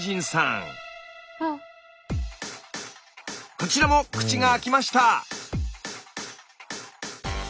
こちらも口が開きました！